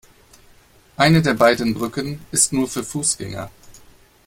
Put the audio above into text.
Eine der beiden Brücken ist nur für Fußgänger.